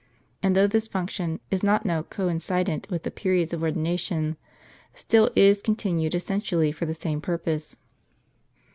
And, though this function is not now coincident with the periods of ordina tion, still it is continued essentially for the same purpose.